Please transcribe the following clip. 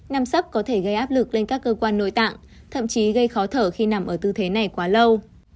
năm sắp có thể gây áp lực lên các cơ quan nội tạng thậm chí gây khó thở khi nằm ở tư thế này quá lâu